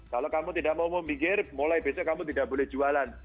kalau kamu tidak mau memikir mulai besok kamu tidak boleh jualan